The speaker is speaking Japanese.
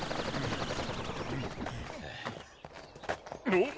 おっ？